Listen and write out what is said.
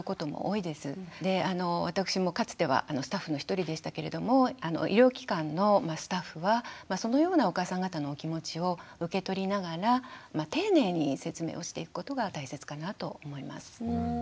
で私もかつてはスタッフの一人でしたけれども医療機関のスタッフはそのようなお母さん方のお気持ちを受け取りながら丁寧に説明をしていくことが大切かなと思います。